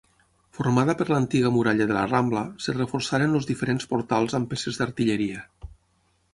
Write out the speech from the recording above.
Formada per l'antiga muralla de la Rambla, es reforçaren els diferents portals amb peces d'artilleria.